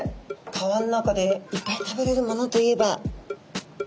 川の中でいっぱい食べれるものといえば。